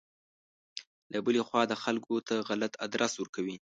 له بلې خوا خلکو ته غلط ادرس ورکوي.